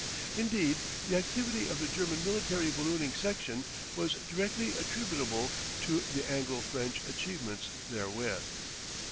Indeed the activity of the German military ballooning section was directly attributable to the Anglo French achievements therewith.